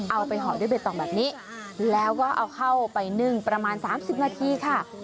เอาไปห่อด้วยใบตองแบบนี้แล้วก็เอาเข้าไปนึ่งประมาณ๓๐นาทีค่ะ